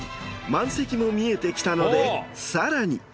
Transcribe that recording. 満席も見えてきたのでさらに。